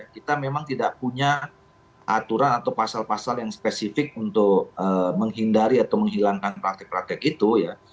kita memang tidak punya aturan atau pasal pasal yang spesifik untuk menghindari atau menghilangkan praktek praktek itu ya